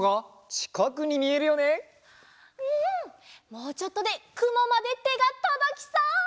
もうちょっとでくもまでてがとどきそう！